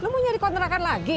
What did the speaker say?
nanti lo nyari kontrakan lagi